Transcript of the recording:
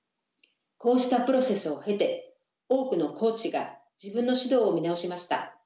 こうしたプロセスを経て多くのコーチが自分の指導を見直しました。